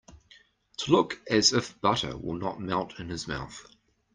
To look as if butter will not melt in his mouth.